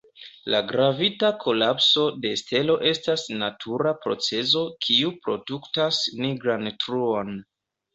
La gravita kolapso de stelo estas natura procezo kiu produktas nigran truon.